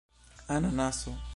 ananaso